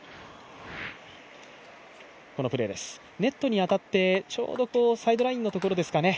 ネットに当たって、ちょうどサイドラインのところですかね。